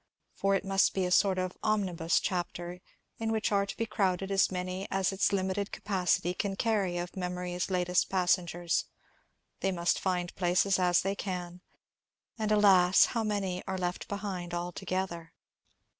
For it must be a sort of omnibus chapter, in which are to be crowded as many as its limited capacity can carry of memory's latest passengers. They must find places as they can. And alas, how many are left behind altogether